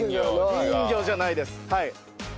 人魚じゃないですはい。